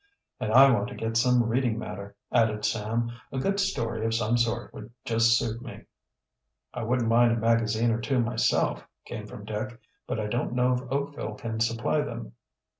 "And I want to get some reading matter," added Sam. "A good story of some sort would just suit me." "I wouldn't mind a magazine or two myself," came from Dick. "But I don't know if Oakville can supply them."